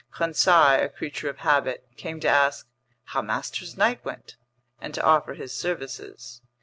Conseil, a creature of habit, came to ask "how master's night went," and to offer his services.